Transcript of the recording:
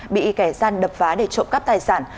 bị kẻ gian đập phá để trộm cắp tài sản